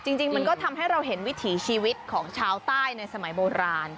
จริงมันก็ทำให้เราเห็นวิถีชีวิตของชาวใต้ในสมัยโบราณ